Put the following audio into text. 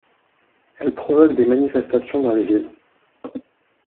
Elle provoque des manifestations dans les villes.